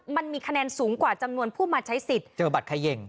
มันมีคะแนนสูงกว่าจำนวนผู้มาใช้สิทธิ์เจอบัตรเขย่ง